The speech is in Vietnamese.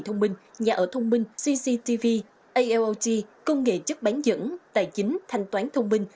thông minh nhà ở thông minh công nghệ chất bán dẫn tài chính thanh toán thông minh